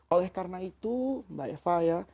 oleh karena itu mbak eva ya